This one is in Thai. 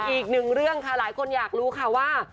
อีกหนึ่งเรื่องค่ะหลายคนอยากรู้ค่ะว่า